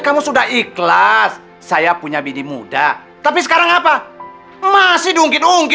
sampai jumpa di video selanjutnya